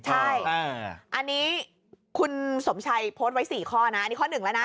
ใช่อันนี้คุณสมชัยโพสไว้๔ข้ออันนี้ข้อ๑แล้วนะ